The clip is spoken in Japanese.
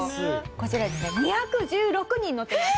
こちらですね２１６人乗ってます。